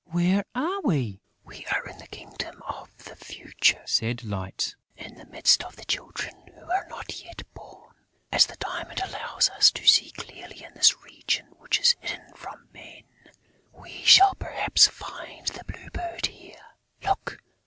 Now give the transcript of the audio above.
Where are we?" "We are in the Kingdom of the Future," said Light, "in the midst of the children who are not yet born. As the diamond allows us to see clearly in this region which is hidden from men, we shall perhaps find the Blue Bird here.... Look!